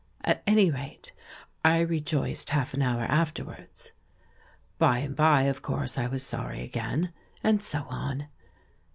At any rate, I rejoiced half an hour afterwards. By and by, of course, I was sorry again. And so on.